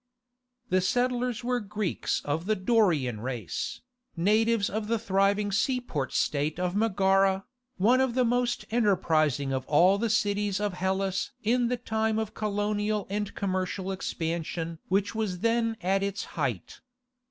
The settlers were Greeks of the Dorian race, natives of the thriving seaport state of Megara, one of the most enterprising of all the cities of Hellas in the time of colonial and commercial expansion which was then at its height.